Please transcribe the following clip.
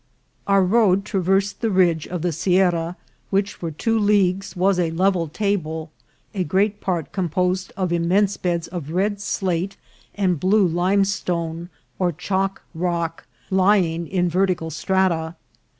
Our road traversed the ridge of the sier ra, which for two leagues was a level table, a great part composed of immense beds of red slate and blue lime stone or chalk rock, lying in vertical strata.